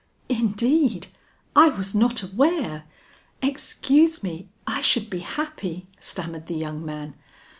"Indeed I was not aware excuse me, I should be happy," stammered the young man.